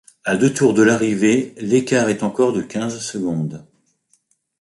À deux tours de l'arrivée l'écart est encore de quinze secondes.